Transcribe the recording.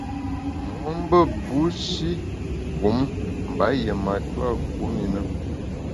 Mo’mbe bushi wum mba yié matua kum i na.